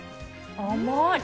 甘い！